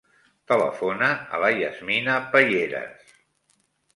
Telefona a la Yasmina Payeras.